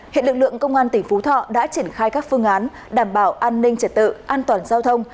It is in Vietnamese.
hiện lực lượng công an tỉnh phú thọ đã triển khai các phương án đảm bảo an ninh trật tự an toàn giao thông